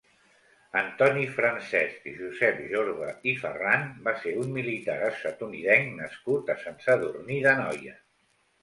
Antoni Francesc Josep Jorba i Ferran va ser un militar estatunidenc nascut a Sant Sadurní d'Anoia.